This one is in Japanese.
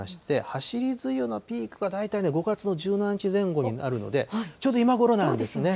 はしり梅雨のピークは大体５月の１７日前後になるので、ちょうど今頃なんですね。